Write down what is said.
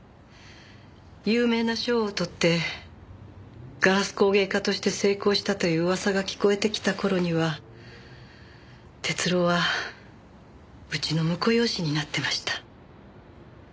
有名な賞をとってガラス工芸家として成功したという噂が聞こえてきた頃には徹郎はうちの婿養子になってました。